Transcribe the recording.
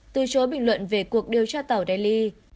từ chối bình luận về cuộc điều tra tàu delhi